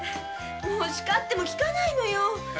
しかってもきかないのよ。